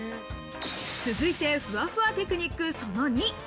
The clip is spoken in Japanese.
続いて、ふわふわテクニックその２。